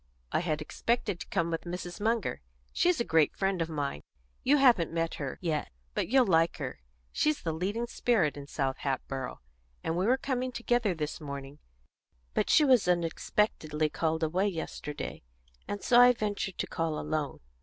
"I had expected to come with Mrs. Munger she's a great friend of mine; you haven't met her yet, but you'll like her; she's the leading spirit in South Hatboro' and we were coming together this morning; but she was unexpectedly called away yesterday, and so I ventured to call alone."